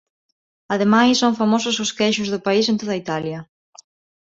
Ademais son famosos os queixos do país en toda Italia.